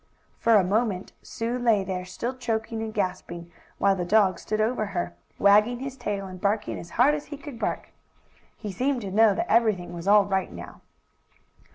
For a moment Sue lay there, still choking and gasping, while the dog stood over her, wagging his tail, and barking as hard as he could bark. He seemed to know that everything was all right now.